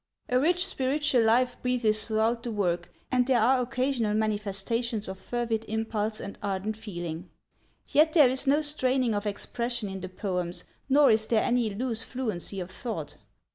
A rich spiritual life breathes throughout the work, and there are occasional manifestations of fervid impulse and ardent feeling. Yet there is no straining of expression in the poems nor is there any loose fluency of thought.